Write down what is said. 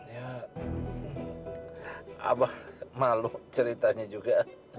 ya abah malu ceritanya juga